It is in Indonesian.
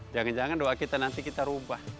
jangan jangan doa kita nanti kita ubah